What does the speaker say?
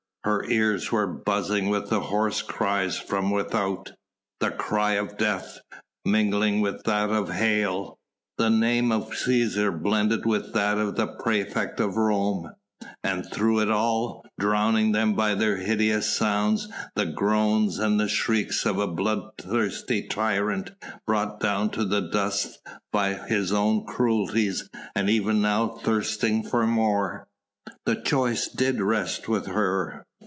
Her ears were buzzing with the hoarse cries from without: the cry of "Death!" mingling with that of "Hail!" the name of Cæsar blended with that of the praefect of Rome; and through it all, drowning them by their hideous sound, the groans and shrieks of a bloodthirsty tyrant, brought down to the dust by his own cruelties, and even now thirsting for more. The choice did rest with her.